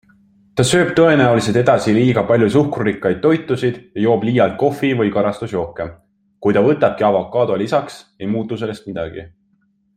Ta sööb tõenäoliselt edasi liiga palju suhkrurikkaid toitusid ja joob liialt kohvi või karastusjooke -- kui ta võtabki avokaado lisaks, ei muutu sellest midagi.